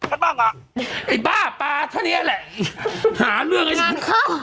ไอ้บ้าปาช่อนี้นี้อะหาเรื่องพี่สัยขออธิบาย